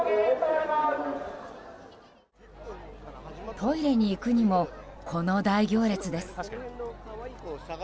トイレに行くにもこの大行列です。